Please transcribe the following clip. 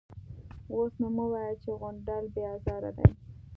_اوس نو مه وايه چې غونډل بې ازاره دی.